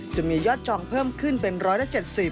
จะมียอดจองเพิ่มขึ้นเป็น๑๗๐